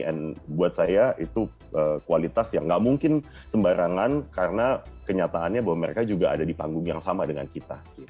and buat saya itu kualitas yang gak mungkin sembarangan karena kenyataannya bahwa mereka juga ada di panggung yang sama dengan kita